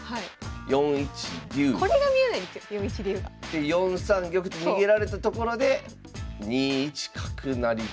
で４三玉と逃げられたところで２一角成と。